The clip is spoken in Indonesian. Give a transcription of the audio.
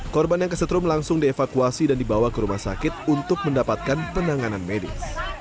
korban yang kesetrum langsung dievakuasi dan dibawa ke rumah sakit untuk mendapatkan penanganan medis